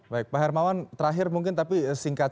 baik pak hermawan terakhir mungkin tapi singkat